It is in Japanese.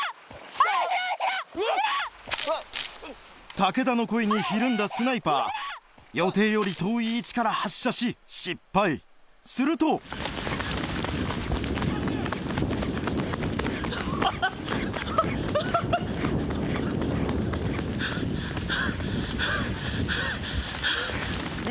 武田の声にひるんだスナイパー予定より遠い位置から発射し失敗するとハハアハハハ！